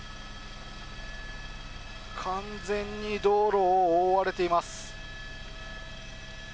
完全に道路を覆われています。